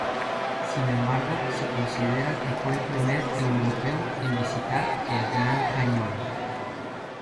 Sin embargo, se considera que fue el primer europeo en visitar el Gran Cañón.